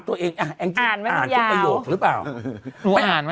ตัวน้องอ่านก็ยินยอม